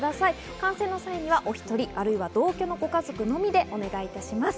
観戦の際にはお１人、あるいは同居のご家族のみでお願いいたします。